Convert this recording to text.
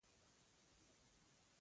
د الله اکبر نارې پورته کړې.